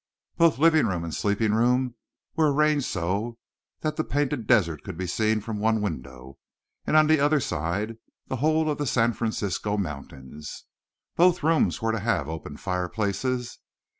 Both living room and sleeping room were arranged so that the Painted Desert could be seen from one window, and on the other side the whole of the San Francisco Mountains. Both rooms were to have open fireplaces.